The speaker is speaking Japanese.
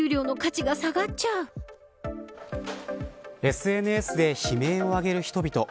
ＳＮＳで悲鳴を上げる人々。